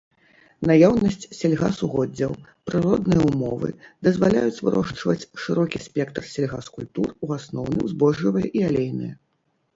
Наяўнасць сельгасугоддзяў, прыродныя ўмовы дазваляюць вырошчваць шырокі спектр сельгаскультур, у асноўным збожжавыя і алейныя.